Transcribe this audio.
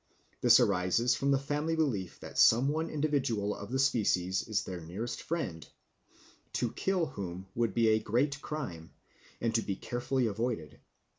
This arises from the family belief that some one individual of the species is their nearest friend, to kill whom would be a great crime, and to be carefully avoided.